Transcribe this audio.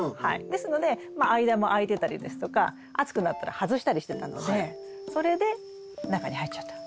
ですので間も空いてたりですとか暑くなったら外したりしてたのでそれで中に入っちゃった。